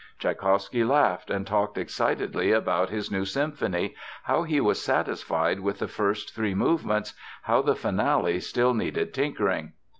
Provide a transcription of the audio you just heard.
Tschaikowsky laughed, and talked excitedly about his new symphony, how he was satisfied with the first three movements, how the finale still needed tinkering.